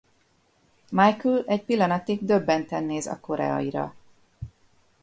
Michael egy pillanatig döbbenten néz a koreaira.